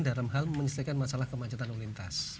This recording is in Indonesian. dalam hal menyelesaikan masalah kemacetan unintas